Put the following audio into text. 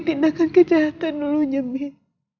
tindakan kejahatan dulu nya mir